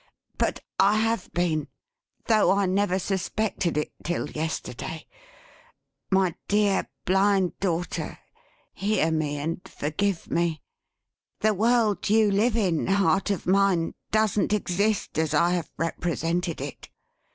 "But I have been; though I never suspected it, 'till yesterday. My dear Blind Daughter, hear me and forgive me! The world you live in, heart of mine, doesn't exist as I have represented it.